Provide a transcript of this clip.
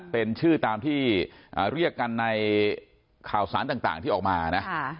เป็นชื่อตามที่เรียกกันในข่าวสารต่างที่ออกมานะ